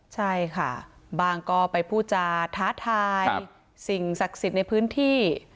ใช่ค่ะบางก็ไปพูดจาท้าทายสิ่งศักดิ์สิทธิ์ในพื้นที่